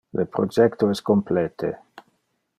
Le projecto es complete.